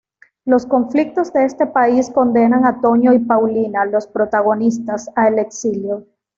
Los conflictos de este país condenan a Toño y Paulina, los protagonistas, al exilio.